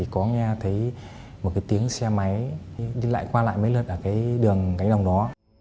cái tiếng xe máy đi lại qua lại mấy lượt ở cái đường cánh đồng đó